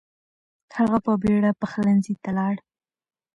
هغه په بیړه پخلنځي ته لاړ.